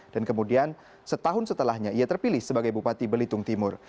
dan kemudian setahun setelahnya ia terpilih sebagai bupati belitung timur